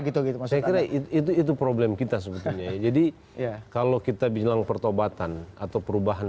gitu gitu saya kira itu itu problem kita sebetulnya jadi kalau kita bilang pertobatan atau perubahan